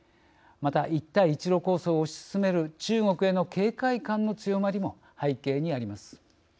また、一帯一路構想を推し進める中国への警戒感の強まりも背景にあります。